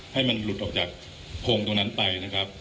ให้มันหลุดออกจากผงตรงนั้นไป